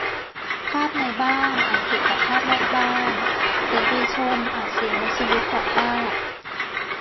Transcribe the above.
- ทาสในบ้านอาจสุขกว่าทาสนอกบ้าน เสรีชนอาจเสี่ยงในชีวิตกว่าทาส